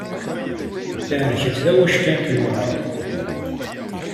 Tɛerk-d tawackant n weɣṛum.